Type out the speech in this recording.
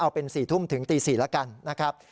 เอาเป็น๔ทุ่มถึงตี๔แล้วกันนะครับ